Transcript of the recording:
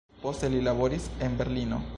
Poste li laboris en Berlino.